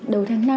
đầu tháng một